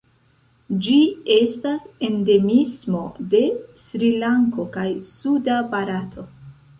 Ĝi estas endemismo de Srilanko kaj suda Barato.